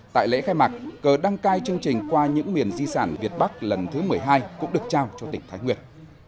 tại lễ khai mạc cờ đăng cai chương trình qua những miền di sản việt bắc lần thứ một mươi hai cũng được trao cho tỉnh thái nguyên